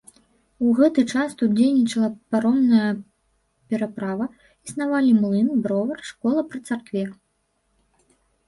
У гэты час тут дзейнічала паромная пераправа, існавалі млын, бровар, школа пры царкве.